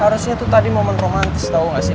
harusnya tuh tadi momen romantis tau nggak sih